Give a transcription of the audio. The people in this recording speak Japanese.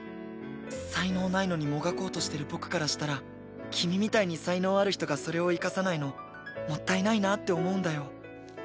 才能ないのにもがこうとしてる僕からしたら君みたいに才能ある人がそれを生かさないのもったいないなって思うんだよ。